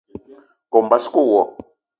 Kome basko wo.